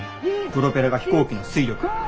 プロペラが飛行機の推力